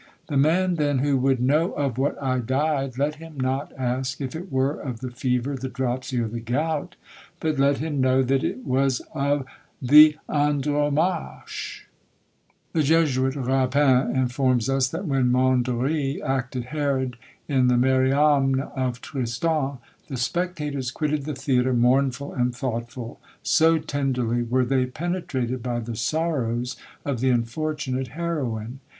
The man then who would know of what I died, let him not ask if it were of the fever, the dropsy, or the gout; but let him know that it was of the Andromache!" The Jesuit Rapin informs us, that when Mondory acted Herod in the Mariamne of Tristan, the spectators quitted the theatre mournful and thoughtful; so tenderly were they penetrated with the sorrows of the unfortunate heroine.